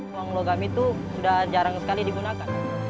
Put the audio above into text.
uang logam itu sudah jarang sekali digunakan